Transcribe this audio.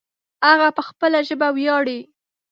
هغه په خپله ژبه ویاړې